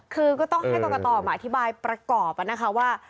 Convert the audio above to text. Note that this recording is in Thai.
คือก็ต้องให้ตะต่อมาอธิบายประกอบว่า